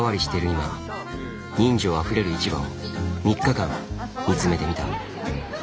今人情あふれる市場を３日間見つめてみた。